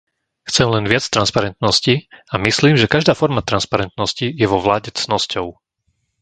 Chcem len viac transparentnosti a myslím, že každá forma transparentnosti je vo vláde cnosťou.